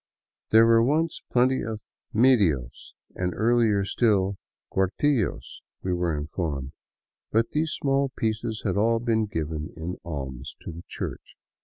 There were once plenty of medios and, earlier still, cuartillos, we were informed ; but these small pieces had all been given in alms to the Church.